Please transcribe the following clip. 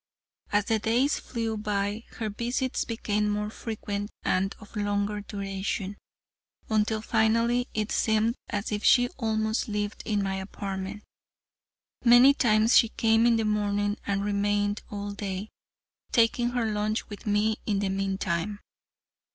As the days flew by, her visits became more frequent and of longer duration, until finally it seemed as if she almost lived in my apartment. Many times she came in the morning and remained all day, taking her lunch with me in the meantime.